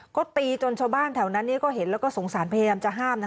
ก็ตีจนชาวบ้านแถวนั้นก็เห็นแล้วก็สงสารพยายามจะห้ามนะ